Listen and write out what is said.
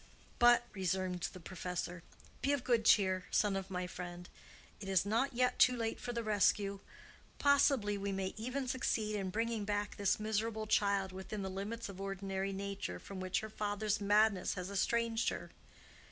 "But," resumed the professor, "be of good cheer, son of my friend. It is not yet too late for the rescue. Possibly we may even succeed in bringing back this miserable child within the limits of ordinary nature, from which her father's madness has estranged her.